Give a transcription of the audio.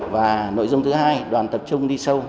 và nội dung thứ hai đoàn tập trung đi sâu